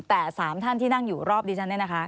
แต่๓ท่านที่นั่งอยู่รอบดิฉันเนี่ยนะคะ